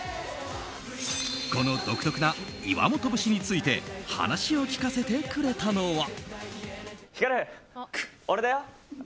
この独特な岩本節について話を聞かせてくれたのは。